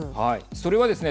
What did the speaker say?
それはですね